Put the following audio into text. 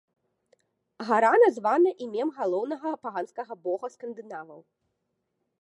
Гара названа імем галоўнага паганскага бога скандынаваў.